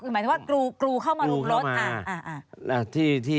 คือหมายถึงว่ากรูเข้ามารุมรถ